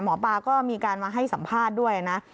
หมอปลาก็มีการมาให้สัมภาษณ์ด้วยนะ